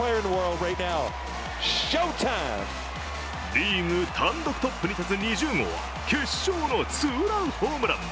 リーグ単独トップに立つ２０号は決勝のツーランホームラン。